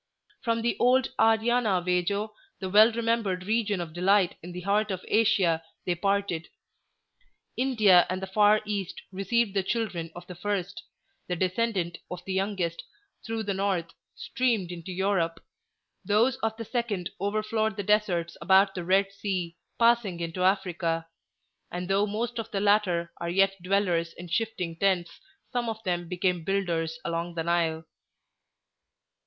From the old Aryana Vaejo, the well remembered Region of Delight in the heart of Asia, they parted. India and the far East received the children of the first; the descendant of the youngest, through the North, streamed into Europe; those of the second overflowed the deserts about the Red Sea, passing into Africa; and though most of the latter are yet dwellers in shifting tents, some of them became builders along the Nile."